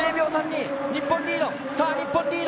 日本リード！